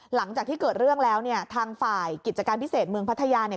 หลังจากที่เกิดเรื่องแล้วเนี่ยทางฝ่ายกิจการพิเศษเมืองพัทยาเนี่ย